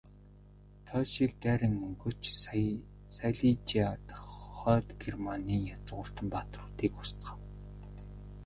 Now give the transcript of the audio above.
Польшийг дайран өнгөрч, Сайлижиа дахь Хойд Германы язгууртан баатруудыг устгав.